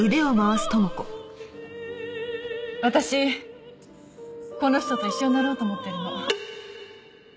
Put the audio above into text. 私この人と一緒になろうと思ってるの。